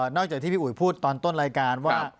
จากที่พี่อุ๋ยพูดตอนต้นรายการว่า